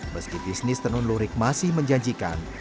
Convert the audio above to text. meski bisnis tenun lurik masih menjanjikan